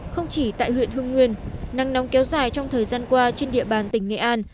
không chỉ tại huyện hưng nguyên nắng nóng kéo dài trong thời gian qua trên địa bàn tỉnh nghệ an